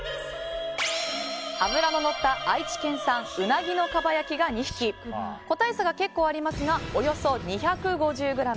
脂ののった愛知県産ウナギのかば焼きが２匹個体差が結構ありますがおよそ２５０ｇ